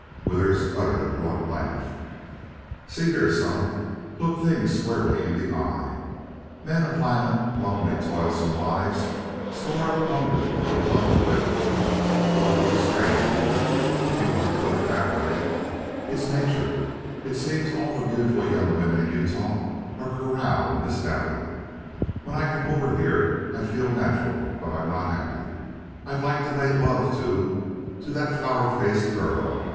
Withers uttered a blunt laugh. "See here, son, look things square in the eye. Men of violent, lonely, toilsome lives store up hunger for the love of woman. Love of a STRANGE woman, if you want to put it that way. It's nature. It seems all the beautiful young women in Utah are corralled in this valley. When I come over here I feel natural, but I'm not happy. I'd like to make love to to that flower faced girl.